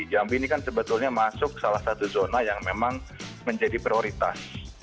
jambi ini kan sebetulnya masuk salah satu zona yang memang menjadi prioritas